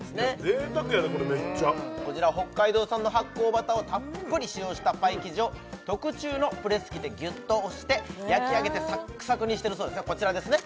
贅沢やでこれめっちゃこちら北海道産の発酵バターをたっぷり使用したパイ生地を特注のプレス機でギュッと押して焼き上げてサックサクにしてるそうですよこちらですね